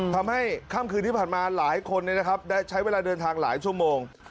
ค่ำคืนที่ผ่านมาหลายคนได้ใช้เวลาเดินทางหลายชั่วโมง